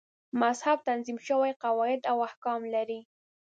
مذهب تنظیم شوي قواعد او احکام لري.